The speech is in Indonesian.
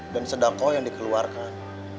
dan sedangkau yang dikeluarkan